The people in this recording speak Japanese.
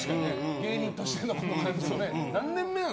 芸人としての感じもね。